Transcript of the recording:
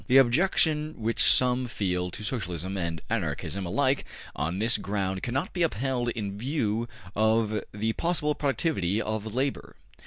The objection which some feel to Socialism and Anarchism alike on this ground cannot be upheld in view of the possible productivity of labor.